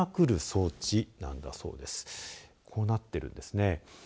こうなっているんですね。